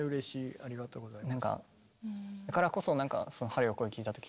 ありがとうございます。